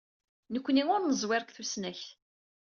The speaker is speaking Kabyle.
Nekkenti ur neẓwir deg tusnakt.